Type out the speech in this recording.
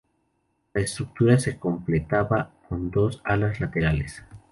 La estructura se completaba con dos alas laterales.